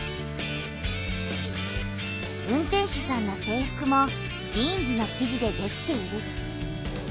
運転手さんの制服もジーンズの生地でできている。